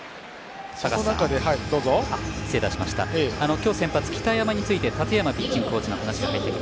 今日先発の北山について建山ピッチングコーチの話です。